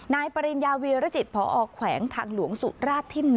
ปริญญาวีรจิตพอแขวงทางหลวงสุราชที่๑